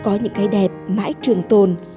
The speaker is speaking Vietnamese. có những cái đẹp mãi trường tồn